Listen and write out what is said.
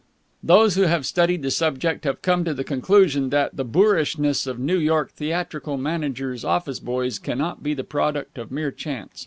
Those who have studied the subject have come to the conclusion that the boorishness of New York theatrical managers' office boys cannot be the product of mere chance.